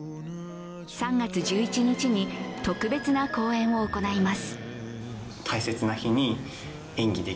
３月１１日に特別な公演を行います。